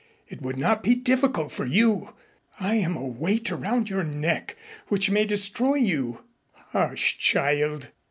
It would not be difficult for you. I am a weight around your neck which may destroy you." "Hush, child."